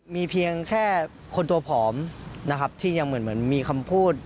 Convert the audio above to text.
มีเพียงแค่คนตัวผอมนะครับที่ยังเหมือนมีคำพูด